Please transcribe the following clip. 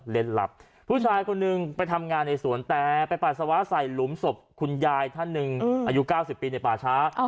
เล่นหลับผู้ชายคนหนึ่งไปทำงานในสวนแต่ไปปัสสาวะใส่หลุมศพคุณยายท่านหนึ่งอายุ๙๐ปีในป่าช้า